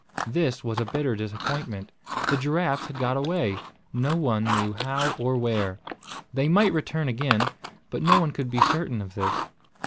This was a bitter disappointment. The giraffes had got away, no one knew how or where. They might return again; but no one could be certain of this.